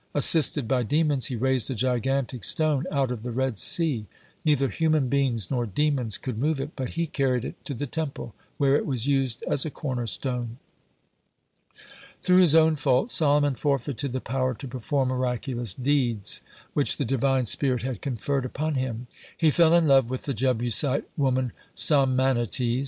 Assisted by demons, he raised a gigantic stone out of the Red Sea. Neither human beings nor demons could move it, but he carried it to the Temple, where it was used as a cornerstone. Through his own fault Solomon forfeited the power to perform miraculous deed, which the Divine spirit had conferred upon him. He fell in love with the Jebusite woman Sonmanites.